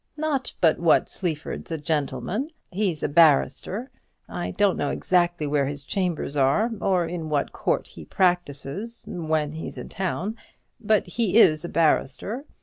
Not but what Sleaford's a gentleman; he's a barrister. I don't know exactly where his chambers are, or in what court he practises when he's in town; but he is a barrister.